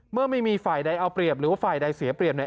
เมื่อไม่มีฝ่ายใดเอาเปรียบหรือว่าฝ่ายใดเสียเปรียบเนี่ย